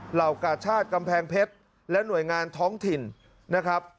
เหล่ากาชาติกำแพงเพชรและหน่วยงานท้องถิ่นนะครับ